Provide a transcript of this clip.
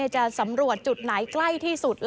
จะสำรวจจุดไหนใกล้ที่สุด